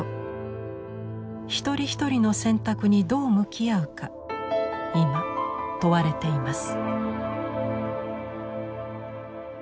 一人一人の選択にどう向き合うか今問われています。